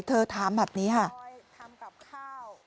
เธอถามแบบนี้ค่ะ